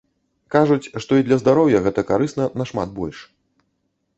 Кажуць, што і для здароўя гэта карысна нашмат больш.